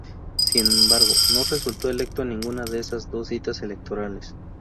Sin embargo no resultó electo en ninguna de esas dos citas electorales.